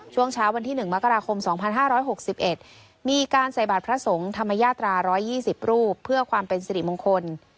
ช่วงเช้าวันที่๑มกราคม๒๕๖๑มีการใส่บาทพระสงฆ์ธรรมญาตรา๑๒๐รูปเพื่อความเป็นสิริมงคล